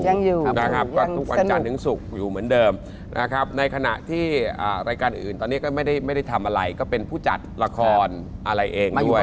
ยังอยู่นะครับก็ทุกวันจันทร์ถึงศุกร์อยู่เหมือนเดิมนะครับในขณะที่รายการอื่นตอนนี้ก็ไม่ได้ทำอะไรก็เป็นผู้จัดละครอะไรเองด้วย